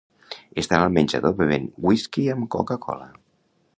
Estan al menjador bevent whisky amb coca-cola.